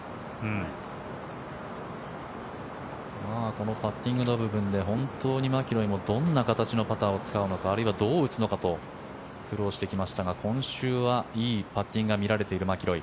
このパッティングの部分で本当にマキロイもどんな形のパターを使うのかあるいはどう打つのかと苦労してきましたが今週はいいパッティングが見られているマキロイ。